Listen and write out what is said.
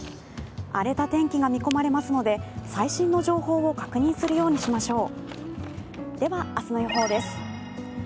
荒れた天気が見込まれますので最新の情報を確認するようにしましょう。